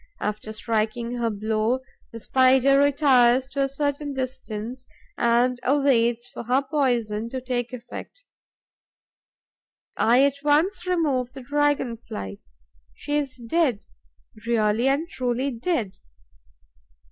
After striking her blow, the Spider retires to a certain distance and waits for her poison to take effect. I at once remove the Dragon fly. She is dead, really and truly dead.